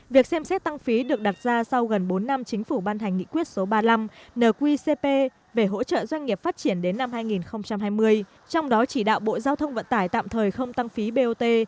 việc xem xét tăng phí được đặt ra sau gần bốn năm chính phủ ban hành nghị quyết số ba mươi năm nqcp về hỗ trợ doanh nghiệp phát triển đến năm hai nghìn hai mươi trong đó chỉ đạo bộ giao thông vận tải tạm thời không tăng phí bot